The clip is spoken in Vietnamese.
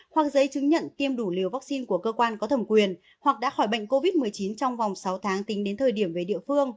hoặc giấy chứng nhận tiêm đủ liều vaccine của cơ quan có thẩm quyền hoặc đã khỏi bệnh covid một mươi chín trong vòng sáu tháng tính đến thời điểm về địa phương